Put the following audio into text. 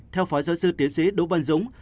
theo phó giáo sư tiến sĩ đỗ văn dũng